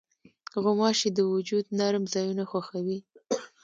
غوماشې د وجود نرم ځایونه خوښوي.